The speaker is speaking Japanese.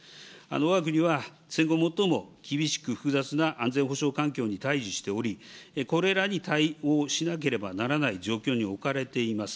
わが国は戦後最も厳しく複雑な安全保障環境に対じしており、これらに対応しなければならない状況に置かれています。